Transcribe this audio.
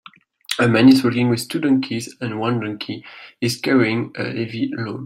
A man is walking with two donkeys and one donkey is carrying a heavy load.